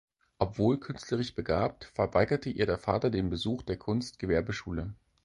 Obwohl künstlerisch begabt, verweigerte ihr der Vater den Besuch der Kunstgewerbeschule.